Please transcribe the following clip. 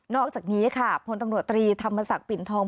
อกจากนี้ค่ะพลตำรวจตรีธรรมศักดิ์ปิ่นทอง